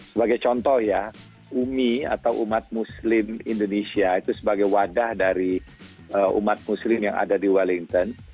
sebagai contoh ya umi atau umat muslim indonesia itu sebagai wadah dari umat muslim yang ada di wellington